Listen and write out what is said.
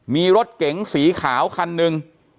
มีรถเก๋งสีขาวคันหนึ่ง